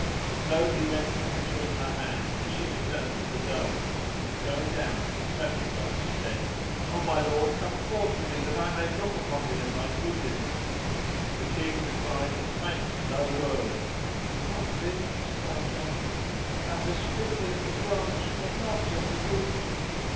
So he went from between her hands; and she returned to the dome and, going down to the sepulchre, she said, "O my lord, come forth to me that I may look upon thee and thy goodliness!" The King replied in faint low words, "What[FN#135] thing hast thou done? Thou hast rid me of the branch but not of the root."